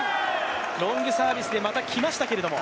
ロングサービスでまた来ましたけども。